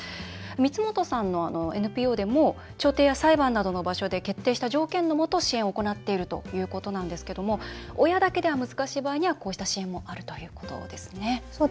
光本さんのＮＰＯでも調停や裁判などの場所で決定した条件のもと支援を行っているということなんですけども親だけでは難しい場合にはこうした支援もあるということですね。